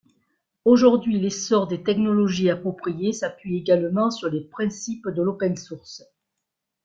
Aujourd'hui, l'essor des technologies appropriées s'appuie également sur les principes de l'open source.